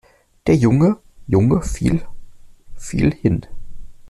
Der junge Junge fiel viel hin.